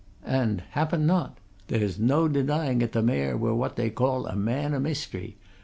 "And happen not. There's no denying 'at t' Mayor were what they call a man o' mystery.